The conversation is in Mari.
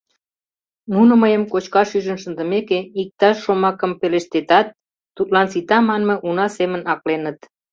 Нуно мыйым кочкаш ӱжын шындымеке, иктаж шомакым пелештетат, тудлан сита манме уна семын акленыт.